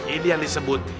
ini yang disebut